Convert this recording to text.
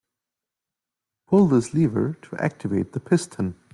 Pull this lever to activate the piston.